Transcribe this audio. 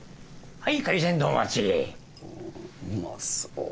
はい。